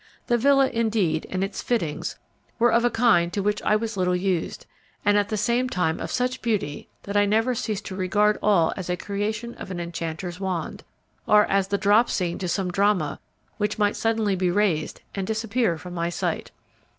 The villa, indeed, and its fittings were of a kind to which I was little used, and at the same time of such beauty that I never ceased to regard all as a creation of an enchanter's wand, or as the drop scene to some drama which might suddenly be raised and disappear from my sight.